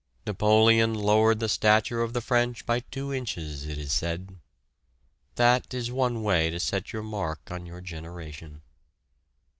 Napoleon lowered the stature of the French by two inches, it is said. That is one way to set your mark on your generation.